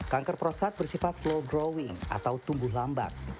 kanker prostat bersifat slow growing atau tumbuh lambat